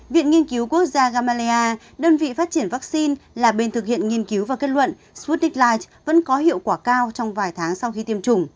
viện nghiên cứu quốc gia gamaleya đơn vị phát triển vaccine là bên thực hiện nghiên cứu và kết luận sputnik light vẫn có hiệu quả cao trong vài tháng sau khi tiêm chủng